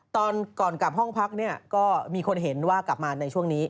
ตอนก่อนกลับห้องพักเนี่ยก็มีคนเห็นว่ากลับมาในช่วงนี้